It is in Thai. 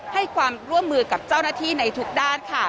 ให้ความร่วมมือกับเจ้าหน้าที่ในทุกด้านค่ะ